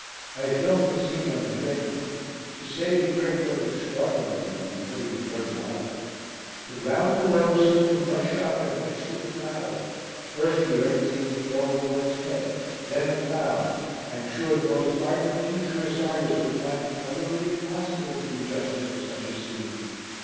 I filmed the scene on the journey. To say the earth looked extraordinary would be putting it very mildly. The ground below seemed to rush up and mix with the clouds. First the earth seemed to be over one's head, then the clouds. I am sure the most ardent futurist artist would find it utterly impossible to do justice to such a scene.